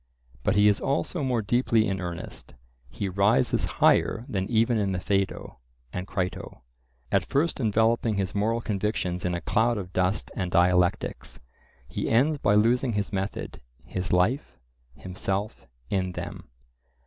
But he is also more deeply in earnest. He rises higher than even in the Phaedo and Crito: at first enveloping his moral convictions in a cloud of dust and dialectics, he ends by losing his method, his life, himself, in them.